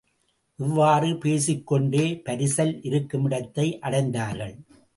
இவ்வாறு பேசிக்கொண்டே பரிசல் இருக்குமிடத்தை அடைந்தார்கள்.